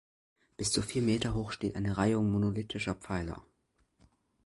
Bis zu vier Meter hoch steht eine Reihung monolithischer Pfeiler.